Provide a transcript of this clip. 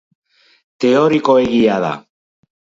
Teorikoegia da.